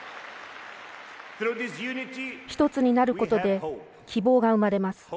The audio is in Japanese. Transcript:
１つになることで希望が生まれます。